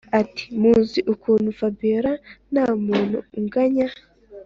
ati”muzi ukuntu fabiora ntamuntu unganya